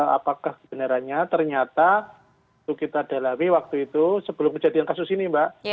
apakah kebenarannya ternyata itu kita dalami waktu itu sebelum kejadian kasus ini mbak